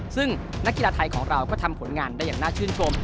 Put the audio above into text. ซึ่งนักกีฬาไทยของเราก็ทำผลงานได้อย่างน่าชื่นชม